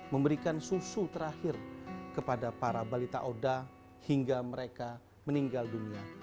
memberikan susu terakhir kepada para balita oda hingga mereka meninggal dunia